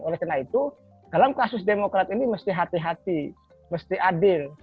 oleh karena itu dalam kasus demokrat ini mesti hati hati mesti adil